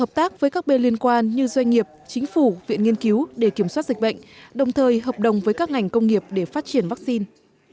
hợp tác với các bên liên quan như doanh nghiệp chính phủ viện nghiên cứu để kiểm soát dịch bệnh đồng thời hợp đồng với các ngành công nghiệp để phát triển vaccine